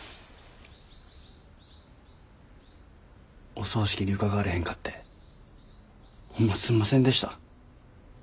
お葬式に伺われへんかってホンマすんませんでした。